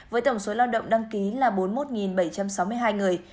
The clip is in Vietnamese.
với tổng số lao động đăng ký là bốn mươi một bảy trăm sáu mươi hai người